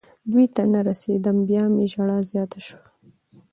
دوی ته نه رسېدم. بیا مې ژړا زیاته شوه.